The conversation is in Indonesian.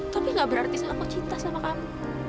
tapi gak berarti selaku cinta sama kamu